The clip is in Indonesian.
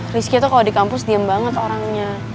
risky tuh kalo di kampus diem banget orangnya